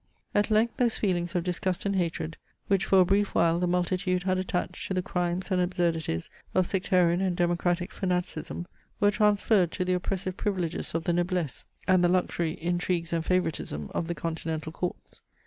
At length those feelings of disgust and hatred, which for a brief while the multitude had attached to the crimes and absurdities of sectarian and democratic fanaticism, were transferred to the oppressive privileges of the noblesse, and the luxury; intrigues and favouritism of the continental courts.